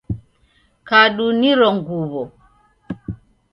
Kadu niro ng uw'o.